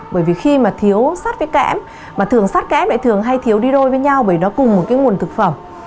khi thiếu sát với kẽm thường sát kẽm hay thiếu đi đôi với nhau bởi nó cùng một nguồn thực phẩm